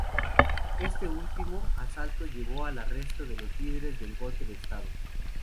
Este último asalto llevó al arresto de los líderes del golpe de estado.